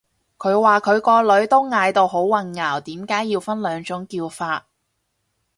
佢話佢個女都嗌到好混淆，點解要分兩種叫法